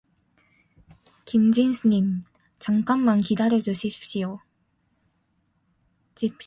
김진수 님, 잠깐만 기다려주십시오